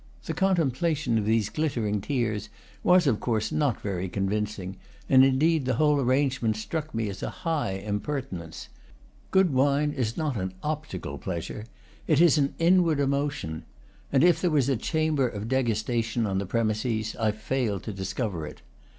The contemplation of these glittering tiers was of course not very convincing; and indeed the whole arrangement struck me as a high impertinence. Good wine is not an optical pleasure, it is an inward emotion; and if there was a chamber of degustation on the premises, I failed to discover it.